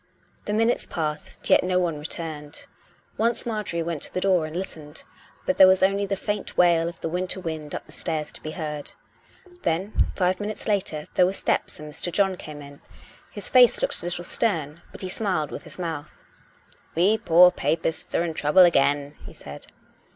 The minutes passed, yet no one returned. Once Marjorie went to the door and listened, but there was only the faint wail of the winter wind up the stairs to be heard. Then, five minutes later, there were steps and Mr. John came in. His face looked a little stern, but he smiled with his mouth. " We poor Papists are in trouble again," he said.